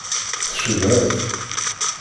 Tcedha-t.